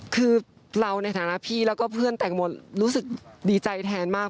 คือเราในฐานะพี่แล้วก็เพื่อนแต่งหมดรู้สึกดีใจแทนมาก